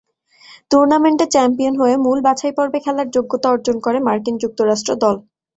টুর্নামেন্টে চ্যাম্পিয়ন হয়ে মূল বাছাইপর্বে খেলার যোগ্যতা অর্জন করে মার্কিন যুক্তরাষ্ট্র দল।